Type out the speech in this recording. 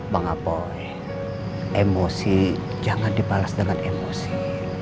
bang apo emosi jangan dibalas dengan emosi